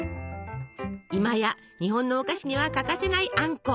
今や日本のお菓子には欠かせないあんこ。